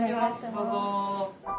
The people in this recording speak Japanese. どうぞ。